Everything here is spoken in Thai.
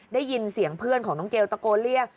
ได้ยินเสียงเพื่อนของน้องเกลตะโกนเรียก